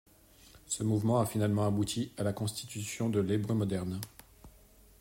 Ce mouvement a finalement abouti à la constitution de l'hébreu moderne.